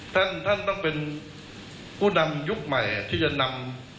ท่านท่านต้องเป็นผู้นำยุคใหม่ที่จะนำ